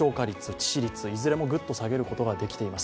致死率いずれも、ぐっと下げることができています。